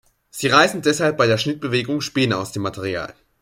Sie reißen deshalb bei der Schnittbewegung Späne aus dem Material.